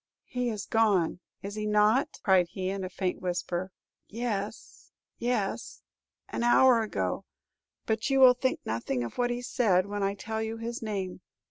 He is gone, is he not?" cried he, in a faint whisper. "Yes, yes, an hour ago; but you will think nothing of what he said, when I tell you his name.